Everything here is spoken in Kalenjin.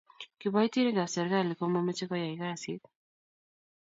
Kibaitinik ab serkali komamche koyai kasit